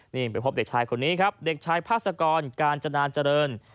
นี่เป็นพวกเด็กพระศากรรย์การจนาจริญ